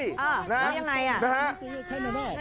แล้วยังไง